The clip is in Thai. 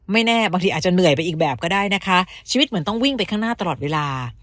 แน่บางทีอาจจะเหนื่อยไปอีกแบบก็ได้นะคะชีวิตเหมือนต้องวิ่งไปข้างหน้าตลอดเวลา